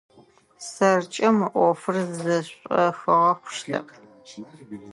Сэркӏэ мы ӏофыр зэшӏохыгъэ хъущтэп.